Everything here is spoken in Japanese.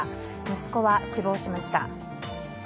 息子は死亡しました。